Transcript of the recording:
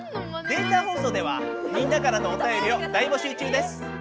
データ放送ではみんなからのおたよりを大募集中です！